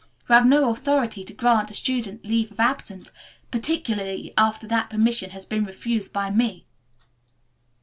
You have no authority to grant a student leave of absence, particularly after that permission has been refused by me."